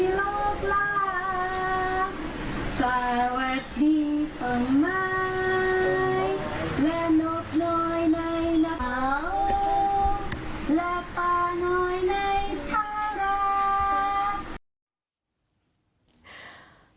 นกล้าสวัสดีต่อไม้และนกน้อยในหน้าโอและป่าน้อยในชาลักษณ์